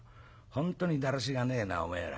『本当にだらしがねえなおめえら。